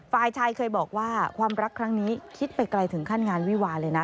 ฝ่ายชายเคยบอกว่าความรักครั้งนี้คิดไปไกลถึงขั้นงานวิวาเลยนะ